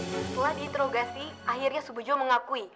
setelah diinterogasi akhirnya subujo mengakui